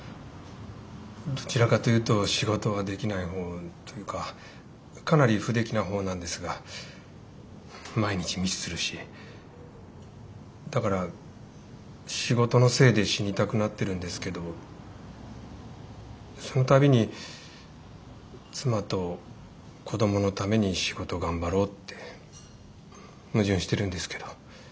どちらかというと仕事はできない方というかかなり不出来な方なんですが毎日ミスするしだから仕事のせいで死にたくなってるんですけどその度に妻と子供のために仕事頑張ろうって矛盾してるんですけど。